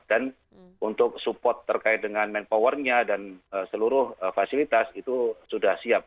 dan untuk support terkait dengan manpowernya dan seluruh fasilitas itu sudah siap